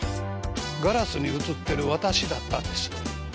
ガラスに映ってる私だったんです。